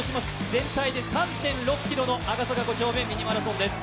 全体で３．６ｋｍの「赤坂５丁目ミニマラソン」です。